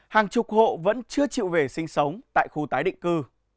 hàng chục hộ vẫn chưa chịu về sinh sống tại khu tái định cư